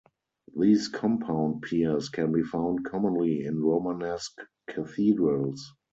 These compound piers can be found commonly in Romanesque cathedrals.